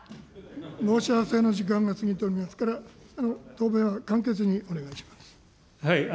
申し合わせの時間が過ぎておりますから、答弁は簡潔にお願いします。